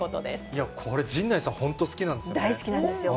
いや、これ、陣内さん、大好きなんですよ。